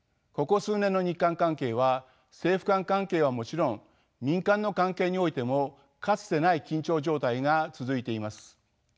ここ数年の日韓関係は政府間関係はもちろん民間の関係においてもかつてない緊張状態が続いています。